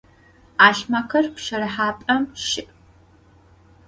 'alhmekhır pşerıhap'em şı'.